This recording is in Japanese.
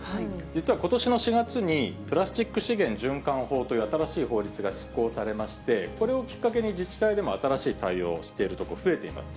実はことしの４月に、プラスチック資源循環法という新しい法律が施行されまして、これをきっかけに、自治体でも新しい対応をしているところ増えています。